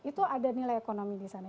itu ada nilai ekonomi di sana